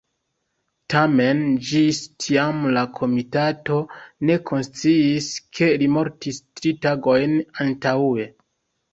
Tamen, ĝis tiam la komitato ne konsciis ke li mortis tri tagojn antaŭe.